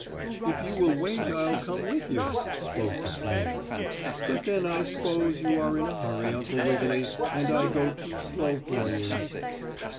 "If you will wait I'll come with you," spoke the snail. "But then I s'pose you are in a hurry, Uncle Wiggily, and I go too slow for you."